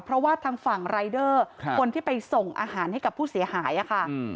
เพราะว่าทางฝั่งรายเดอร์คนที่ไปส่งอาหารให้กับผู้เสียหายค่ะ